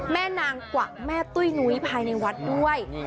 แม่นางกวักแม่ตุ้ยนุ้ยภายในวัดด้วย